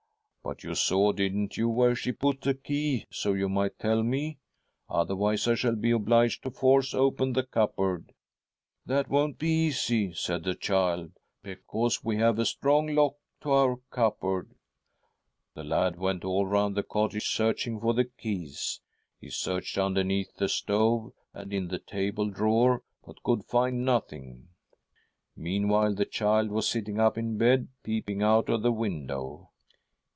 ' But you saw, didn't you, where she put the key, so you might tell .me ? Otherwise I shall be obliged to force open the cupboard.' ' That won't be easy,' said •: THE STRUGGLE OF A SOUL 151 the child ;' because we have a strong lock to our cupboard.' " The lad went all round the cottage, searching for the; keys. He searched underneath the stove, and in the table drawer, but could find nothing. Meanwhile the child was sitting up in bed, peeping out of _;the window.